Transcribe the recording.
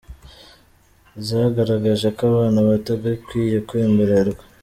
zagaragaje ko abana batagakwiye kwemererwa